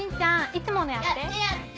いつものやって。